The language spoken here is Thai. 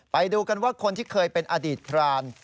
ไปดูกันว่าคนที่เคยเป็นอดีตพราน